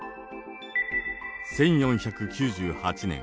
１４９８年。